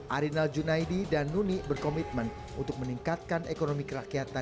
arinal junaidi dan nuni berkomitmen untuk meningkatkan ekonomi kerakyatan